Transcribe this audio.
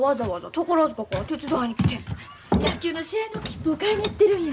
野球の試合の切符を買いに行ってるんや。